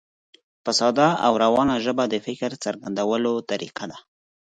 په ساده او روانه ژبه د فکر څرګندولو طریقه ده.